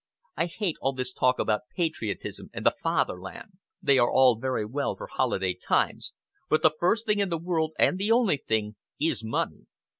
I hate all this talk about patriotism and the Fatherland. They are all very well for holiday times; but the first thing in the world, and the only thing, is money.